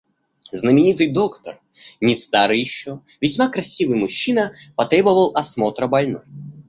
Знаменитый доктор, не старый еще, весьма красивый мужчина, потребовал осмотра больной.